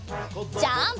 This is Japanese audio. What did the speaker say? ジャンプ！